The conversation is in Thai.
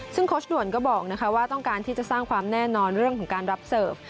ซึ่งโค้ชด่วนก็บอกว่าต้องการที่จะสร้างความแน่นอนเรื่องของการรับเสิร์ฟ